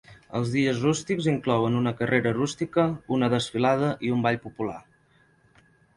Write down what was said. Els Dies rústics inclouen una carrera rústica, una desfilada i un ball popular.